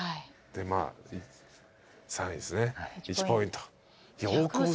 でまあ３位ですね１ポイント。